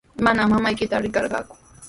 Manami mamaykita riqarqaaku.